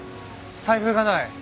財布がない。